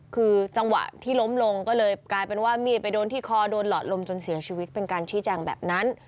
คือจังหวะที่ล้มลงก็เลยกลายเป็นว่ามีดไปโดนที่คอโดนหลอดลมจนเสียชีวิตเป็นการชี้แจงแบบนั้น